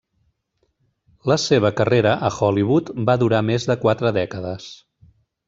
La seva carrera a Hollywood va durar més de quatre dècades.